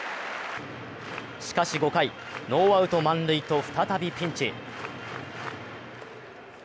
しかし５回、ノーアウト満塁と再びピンチ。